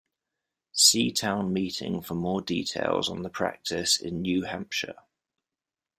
"See Town meeting for more details on the practice in New Hampshire"